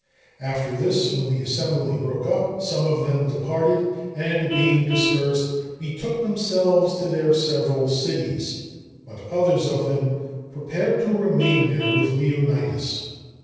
After this, when the assembly broke up, some of them departed, and being dispersed, betook themselves to their several cities; but others of them prepared to remain there with Leonidas.